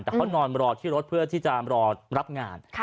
แต่เขานอนรอที่รถเพื่อที่จะรอรับงาน